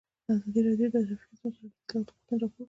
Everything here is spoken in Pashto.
ازادي راډیو د ټرافیکي ستونزې په اړه د اصلاحاتو غوښتنې راپور کړې.